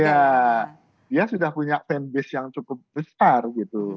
ya dia sudah punya fanbase yang cukup besar gitu